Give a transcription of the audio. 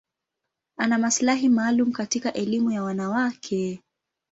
Ana maslahi maalum katika elimu ya wanawake.